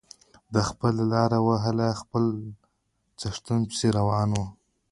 ده خپله لاره وهله د خپل څښتن پسې روان و.